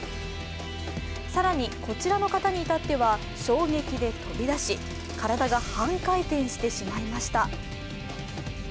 更に、こちらの方にいたっては衝撃で飛び出し体が半回転してしまいました。